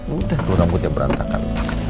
udah tuh rambutnya berantakan